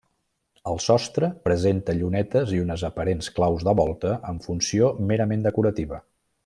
El sostre presenta llunetes i unes aparents claus de volta en funció merament decorativa.